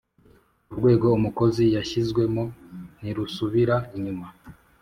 Urwego umukozi yashyizwemo ntirusubira inyuma